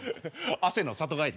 汗の里帰り。